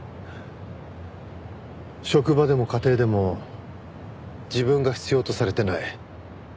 職場でも家庭でも自分が必要とされてない。